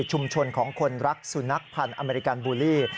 ชุมชนของคนรักสุนัขพันธ์อเมริกันบูลลี่